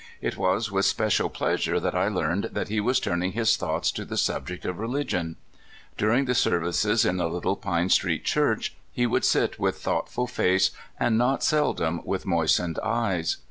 It was with special pleasure that I learned that he was turning his thoughts to the subject of religion. During the services in the little Pine street church (62) THE EEBLOOMING. 63 he would sit with thoughtful face, and not seldom with moistened eyes.